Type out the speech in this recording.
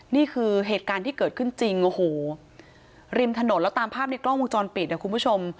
นี่คือเหตุการณ์ที่เกิดขึ้นจริงโอ้โหริมถนนแล้วตามภาพในกล้องวงจรปิดนะคุณผู้ชม